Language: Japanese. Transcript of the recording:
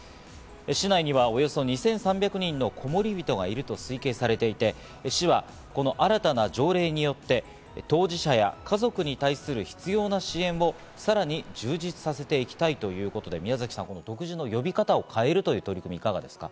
市内にはおよそ２３００人のこもりびとがいると推計されていて、市はこの新たな条例によって当事者や家族に対する必要な支援をさらに充実させていきたいということで宮崎さん、この独自の呼び方を変えるという取り組み、いかがですか？